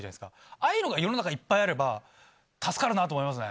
ああいうのが世の中にいっぱいあれば助かるなと思いますね。